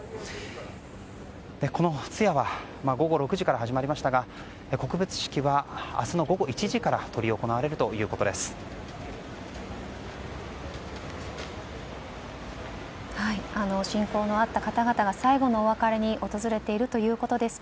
この通夜は午後６時から始まりましたが告別式は明日の午後１時から執り行われるということです。